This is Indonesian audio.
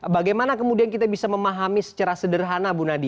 bagaimana kemudian kita bisa memahami secara sederhana bu nadia